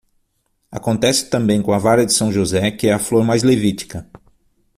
Acontece também com a vara de São José, que é a flor mais levítica.